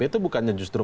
itu bukannya justru